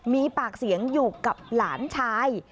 มีปากเสียงอยู่กับหลานชาย